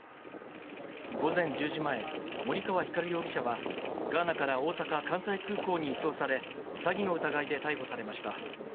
午前１０時前、森川光容疑者はガーナから大阪・関西空港に移送され、詐欺の疑いで逮捕されました。